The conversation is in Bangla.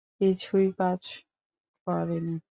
কিছুই কাজ করেনি।